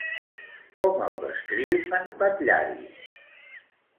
Com el descriu en Patllari?